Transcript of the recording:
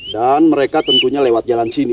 dan mereka tentunya lewat jalan sini